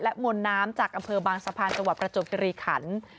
และมนน้ำจากอำเภอบางสะพานจประจบกิริขันฯ